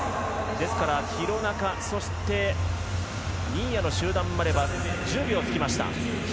ですから廣中、そして新谷の集団までは１０秒つきました。